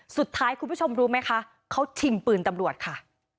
คุณผู้ชมรู้ไหมคะเขาชิงปืนตำรวจค่ะ